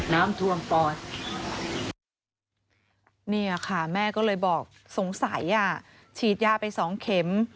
น้ำท่วมปอดเนี่ยค่ะแม่ก็เลยบอกสงสัยอ่ะฉีดยาไปสองเข็ม